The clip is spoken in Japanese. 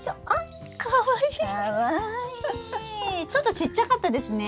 ちょっとちっちゃかったですね。